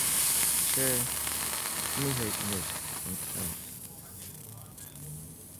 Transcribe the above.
- Չէ, մի՛ հեգնիր խնդրեմ: